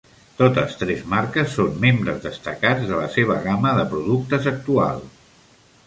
Totes tres marques són membres destacats de la seva gamma de productes actual.